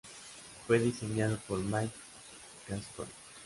Fue diseñado por Mike Gascoyne.